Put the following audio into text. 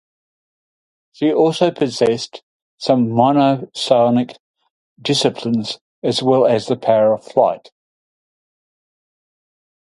She also possessed some minor psionic disciplines, as well as the power of flight.